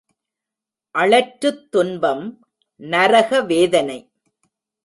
அளற்றுத் துன்பம்— நரக வேதனை.